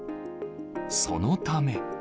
そのため。